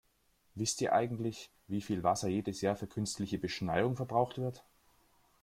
Wisst ihr eigentlich, wie viel Wasser jedes Jahr für künstliche Beschneiung verbraucht wird?